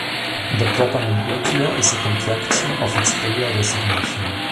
The proper name Atria is a contraction of its Bayer designation.